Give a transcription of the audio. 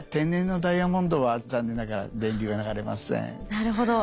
なるほど。